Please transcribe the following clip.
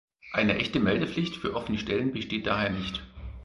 Eine echte Meldepflicht für offene Stellen besteht daher nicht.